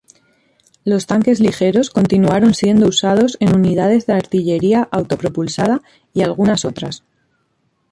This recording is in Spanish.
Los tanques ligeros continuaron siendo usados en unidades de artillería autopropulsada y algunas otras.